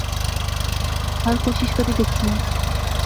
ہر کوشش کری دیکھیون